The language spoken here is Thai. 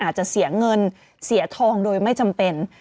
อาจจะเสียเงินเสียทองโดยไม่จำเป็น